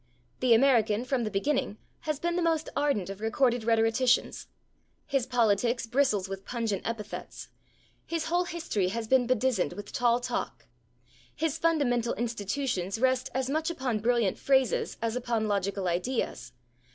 The American, from the beginning, has been the most ardent of recorded rhetoricians. His politics bristles with pungent epithets; his whole history has been bedizened with tall talk; his fundamental institutions rest as much upon brilliant phrases as upon logical ideas.